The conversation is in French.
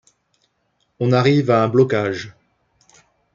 On arrive à un blocage.